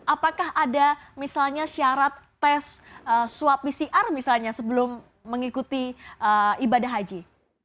apakah ada misalnya syarat tes swab pcr misalnya sebelum mengikuti ibadah haji